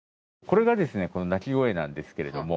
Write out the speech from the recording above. これがですね鳴き声なんですけれども。